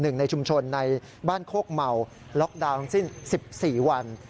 ๑ในชุ่มชนในบ้านโคกเมาล็อกดาวน์สิ้น๑๔วัน